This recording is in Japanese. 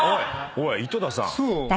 おい井戸田さん。